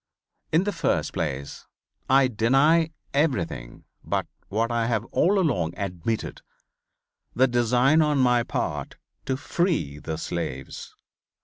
In the first place I deny everything but what I have all along admitted, the design on my part to free the slaves.